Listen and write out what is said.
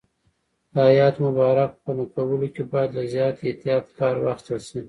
د آیت مبارک په نقلولو کې باید له زیات احتیاط کار واخیستل شي.